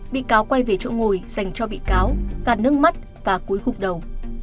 bị cáo quay về chỗ ngồi dành cho bị cáo gạt nước mắt và cuối khúc đầu